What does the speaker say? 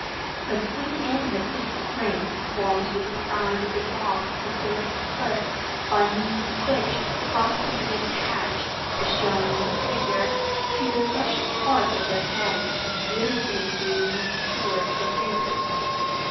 The free end of this spring forms wuh the side of the box a sort of clip, by means of which the box can be attached (as shown in the Figure) to the fleshy part of the hand, the opening being towards the fingtrs.